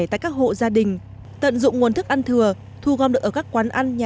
tại các hộ gia đình tận dụng nguồn thức ăn thừa thu gom được ở các quán ăn nhà